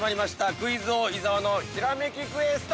クイズ王・伊沢のひらめきクエスト！